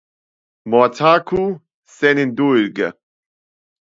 Morthaku senindulge!